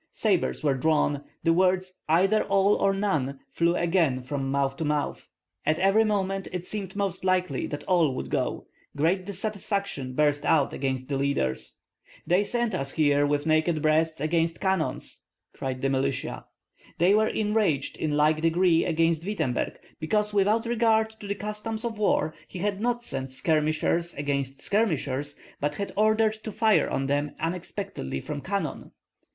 Sabres were drawn. The words "Either all or none" flew again from mouth to mouth. At every moment it seemed most likely that all would go. Great dissatisfaction burst out against the leaders: "They sent us with naked breasts against cannon," cried the militia. They were enraged in like degree against Wittemberg, because without regard to the customs of war he had not sent skirmishers against skirmishers, but had ordered to fire on them unexpectedly from cannon.